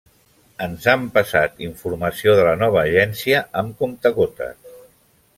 Ens han passat informació de la nova agència amb comptagotes.